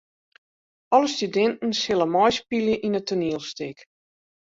Alle studinten sille meispylje yn it toanielstik.